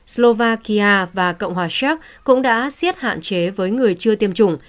slovakia và cộng hòa séc cũng đã xiết hạn chế với người chưa tiêm chủng